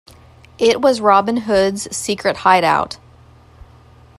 It was Robin Hood's secret hideout.